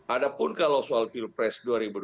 adapun kalau soal pilpres